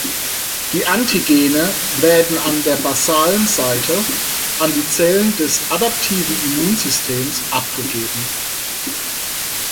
Die Antigene werden an der basalen Seite an die Zellen des adaptiven Immunsystems abgegeben.